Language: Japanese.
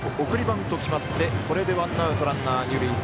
送りバント決まってこれでワンアウトランナー、二塁。